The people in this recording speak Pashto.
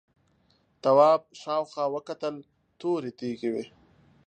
تواب شاوخوا وکتل تورې تیږې وې.